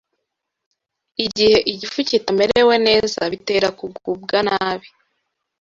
Igihe igifu kitamerewe neza, bitera kugubwa nabi,